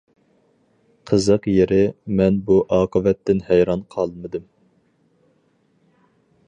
قىزىق يېرى، مەن بۇ ئاقىۋەتتىن ھەيران قالمىدىم.